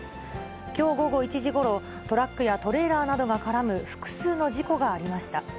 きょう午後１時ごろ、トラックやトレーラーなどが絡む複数の事故がありました。